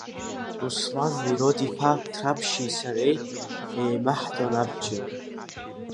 Руслан Мирод-иԥа Ҭраԥшьи сареи еимаҳдон абџьар.